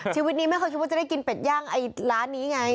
ชีวิตนี้ไม่เคยคิดว่าจะได้กินเป็ดย่างไอ้ร้านนี้ไง